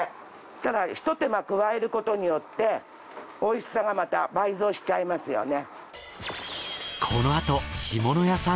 ただひと手間加えることによって美味しさがまた倍増しちゃいますよね。